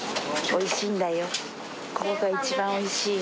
おいしいんだよ、ここが一番おいしい。